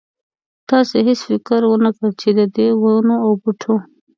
تاسې هېڅ فکر ونه کړ چې ددې ونو او بوټو.